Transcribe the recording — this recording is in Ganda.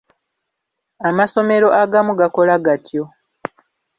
Amasomero agamu gakola gatyo.